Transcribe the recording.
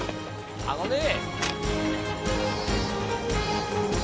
あのねえ。